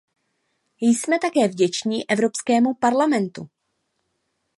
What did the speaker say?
Jsme také vděční Evropskému parlamentu.